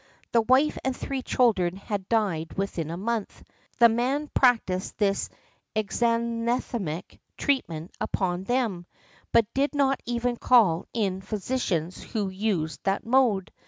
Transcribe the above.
The wife and three children had died within a month. The man practised the exanthematic treatment upon them, but did not even call in physicians who used that mode.